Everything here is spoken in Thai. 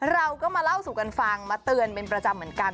เราก็มาเล่าสู่กันฟังมาเตือนเป็นประจำเหมือนกัน